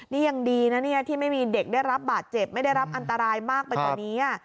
นี่ยังดีนะเนี่ยที่ไม่มีเด็กได้รับบาดเจ็บไม่ได้รับอันตรายมากไปกว่านี้